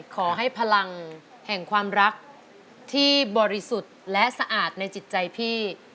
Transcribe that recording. ขอให้พลังแห่งความรักที่บริสุทธิ์และสะอาดในจิตใจพี่